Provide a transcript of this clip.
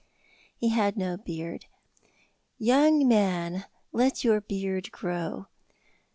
He had no beard. "Young man, let your beard grow."